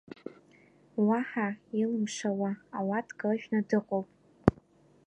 Уаҳа илымшауа ауатка ыжәны дыҟоуп…